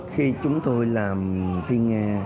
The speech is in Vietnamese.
khi chúng tôi làm thiên nghe